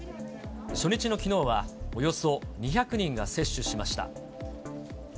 初日のきのうはおよそ２００人が接種しました。